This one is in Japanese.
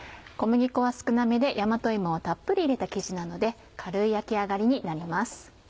小麦粉は少なめで大和芋をたっぷり入れた生地なので軽い焼き上がりになります。